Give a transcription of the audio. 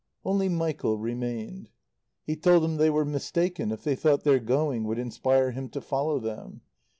Only Michael remained. He told them they were mistaken if they thought their going would inspire him to follow them.